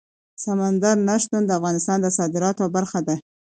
سمندر نه شتون د افغانستان د صادراتو برخه ده.